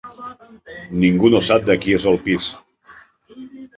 Ningú no sap de qui és el pis.